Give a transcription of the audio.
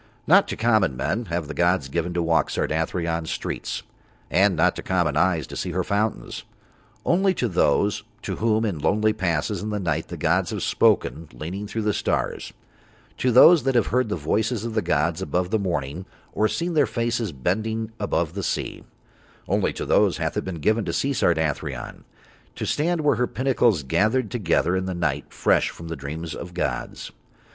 Not to common men have the gods given to walk Sardathrion's streets, and not to common eyes to see her fountains. Only to those to whom in lonely passes in the night the gods have spoken, leaning through the stars, to those that have heard the voices of the gods above the morning or seen Their faces bending above the sea, only to those hath it been given to see Sardathrion, to stand where her pinnacles gathered together in the night fresh from the dreams of gods.